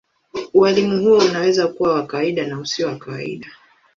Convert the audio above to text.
Ualimu huo unaweza kuwa wa kawaida na usio wa kawaida.